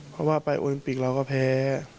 เพราะว่าไปโอลิมปิกเราก็แพ้